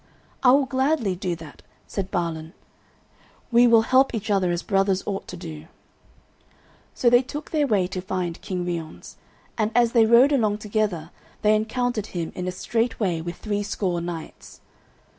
"I will gladly do that," said Balan; "we will help each other as brothers ought to do." So they took their way to find King Ryons, and as they rode along together they encountered him in a straight way with threescore knights.